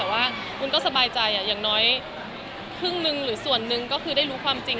แต่ว่าคุณก็สบายใจอย่างน้อยครึ่งหนึ่งหรือส่วนหนึ่งก็คือได้รู้ความจริง